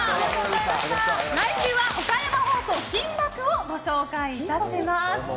来週は岡山放送「金バク！」をご紹介します。